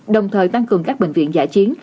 đồng thời tăng cường các bệnh viện giải chiến